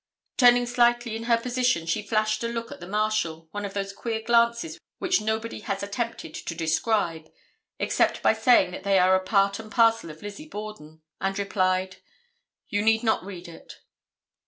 Turning slightly in her position, she flashed a look at the Marshal, one of those queer glances which nobody has attempted to describe, except by saying that they are a part and parcel of Lizzie Borden, and replied: "You need not read it."